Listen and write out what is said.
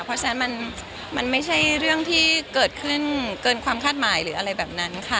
เพราะฉะนั้นมันไม่ใช่เรื่องที่เกิดขึ้นเกินความคาดหมายหรืออะไรแบบนั้นค่ะ